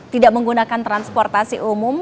tidak menggunakan transportasi umum